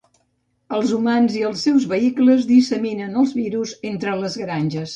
Els humans i els seus vehicles disseminen els virus entre les granges.